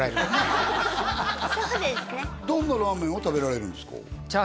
どんなラーメンを食べられるんですか？